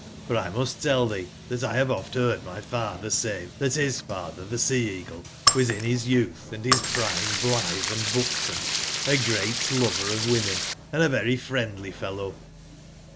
for 1 must tell tbee tbat I bave oft beard my f atber say tbat bis f atber tbe Sea/eagle was in bis youtb and bis prime blitbe and buxom, a great lover of wo men, and a very friendly fellow.